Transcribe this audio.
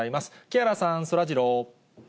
木原さん、そらジロー。